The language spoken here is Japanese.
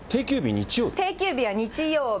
定休日は日曜日。